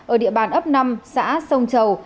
ở địa bàn ấp năm xã sông chầu